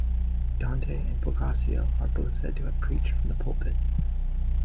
Dante and Boccaccio are both said to have preached from the pulpit.